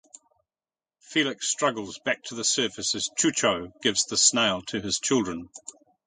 Felix struggles back to the surface as Chucho gives the snail to his children.